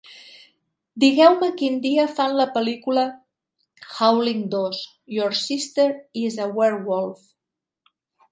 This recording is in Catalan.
Digueu-me quin dia fan la pel·lícula: "Howling II: Your Sister is a Werewolf".